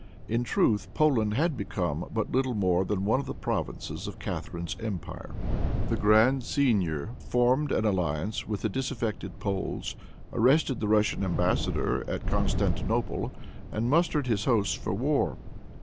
In truth, Poland had become but little more than one of the provinces of Catharine's empire. The Grand Seignior formed an alliance with the disaffected Poles, arrested the Russian embassador at Constantinople, and mustered his hosts for war.